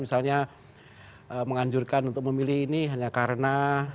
misalnya menganjurkan untuk memilih ini hanya karena